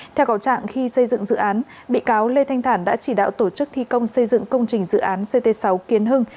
theo cầu trạng khi xây dựng dự án bị cáo lê thanh thản đã chỉ đạo tổ chức thi công xây dựng công trình dự án ct sáu kiến hưng